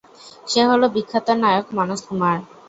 সে হলো বিখ্যাত নায়ক মনোজ কুমার।